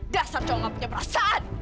dasar cowok gak punya perasaan